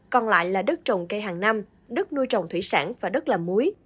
còn lại là đất trồng cây hàng năm đất nuôi trồng thủy sản và đất làm muối